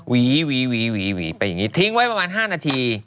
วีหวีไปอย่างนี้ทิ้งไว้ประมาณ๕นาที